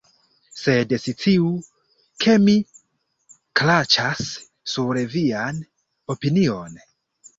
Sed sciu, ke mi kraĉas sur vian opinion!